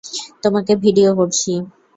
তোমাকে ভিডিয়ো করছি!